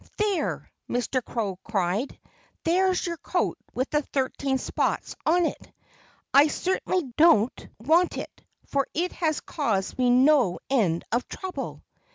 "There!" Mr. Crow cried. "There's your coat with the thirteen spots on it! I certainly don't want it, for it has caused me no end of trouble."